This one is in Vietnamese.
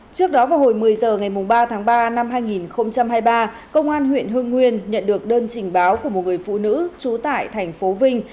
trước đó vào hồi một mươi h ngày ba tháng ba năm hai nghìn hai mươi ba công an huyện hương nguyên nhận được đơn trình báo của một người phụ nữ trú tại thành phố vinh